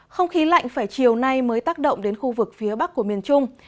không khí lạnh phải chiều nay mới tác động đến khu vực phía bắc của miền trung